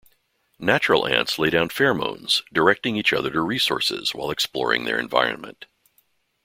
Natural ants lay down pheromones directing each other to resources while exploring their environment.